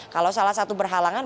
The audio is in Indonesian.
kalau salah satu berhalangan